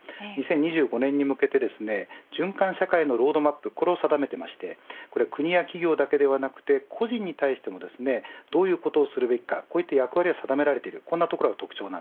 ２０２５年に向けて循環社会のロードマップを定めていて国や企業だけではなくて個人に対してもどういうことすべきかと役割が定められています。